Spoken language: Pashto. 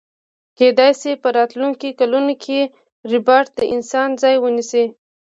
کیدای شی په راتلونکي کلونو کی ربات د انسان ځای ونیسي